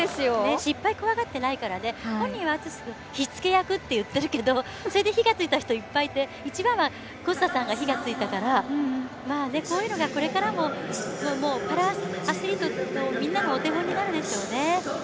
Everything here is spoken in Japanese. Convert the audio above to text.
失敗怖がってないから本人は篤君、火付け役って言っていてそれで火がついた人はいっぱいいて一番は小須田さんが火がついたから、こういうのがこれからもパラアスリートのみんなのお手本になるでしょう。